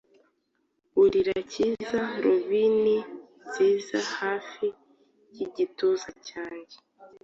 urira, Cyiza, robini nziza, Hafi yigituza cyanjye.